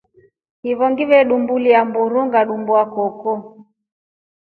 Hiyo ngile veelya mburu ngatumbwa koko.